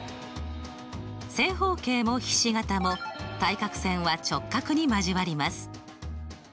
正方形もひし形も対角線は直角に交わります。